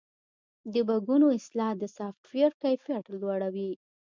د بګونو اصلاح د سافټویر کیفیت لوړوي.